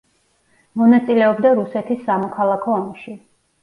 მონაწილეობდა რუსეთის სამოქალაქო ომში.